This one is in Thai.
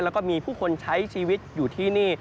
แล้วก็มีผู้คนใช้ชีวิตอยู่ที่นี่